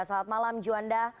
selamat malam juanda